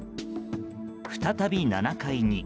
再び７階に。